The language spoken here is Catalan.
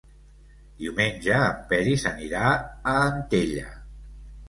Diumenge en Peris anirà a Antella.